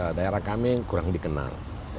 pertama ya daerah kami kurang dikenal